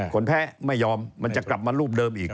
คนแพ้ไม่ยอมมันจะกลับมารูปเดิมอีก